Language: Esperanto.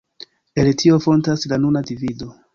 El tio fontas la nuna divido.